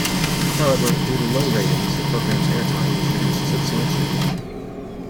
However, due to low ratings the program's airtime was reduced substantially.